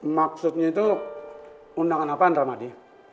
maksudnya itu undangan apaan ramadi